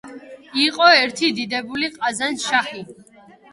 იყო ერთი დიდებული ყაზან-შაჰი.